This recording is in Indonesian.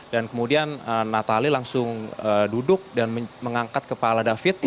dan kemudian natalie langsung duduk dan mengangkat kepala david